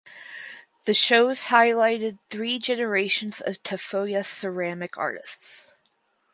The shows highlighted three generations of Tafoya ceramic artists.